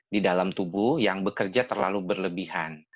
di dalam tubuh yang bekerja terlalu berlebihan